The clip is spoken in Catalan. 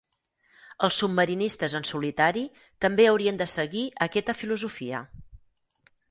Els submarinistes en solitari també haurien de seguir aquesta filosofia.